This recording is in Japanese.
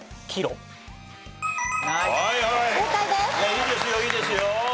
いいですよいいですよ。